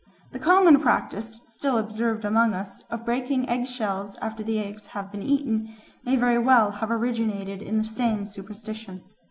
The common practice, still observed among us, of breaking egg shells after the eggs have been eaten may very well have originated in the same superstition.